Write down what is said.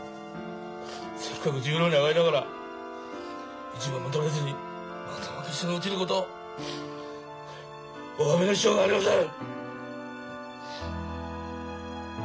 せっかく十両に上がりながら一番も取れずにまた幕下に落ちることおわびのしようがありません！